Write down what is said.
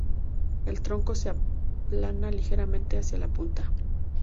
El tronco se aplana ligeramente hacia la punta.